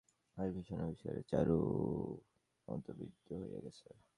এই ভীষণ আবিষ্কারে চারু হতবুদ্ধি হইয়া গেছে।